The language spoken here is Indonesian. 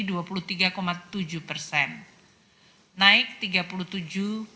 naik tiga puluh tujuh dari lalu